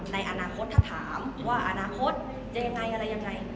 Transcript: ในอนาคตถ้าถามว่าอนาคตจะยังไงอะไรยังไง